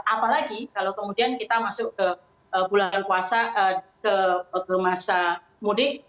apalagi kalau kemudian kita masuk ke bulan puasa ke masa mudik